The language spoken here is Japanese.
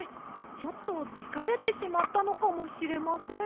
ちょっとつかれてしまったのかもしれません。